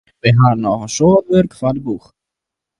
Wy hawwe noch in soad wurk foar de boech.